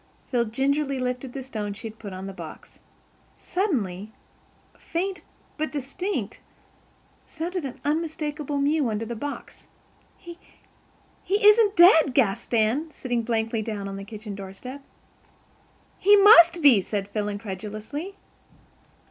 Phil gingerly lifted the stone she had put on the box. Suddenly, faint but distinct, sounded an unmistakable mew under the box. "He—he isn't dead," gasped Anne, sitting blankly down on the kitchen doorstep. "He must be," said Phil incredulously.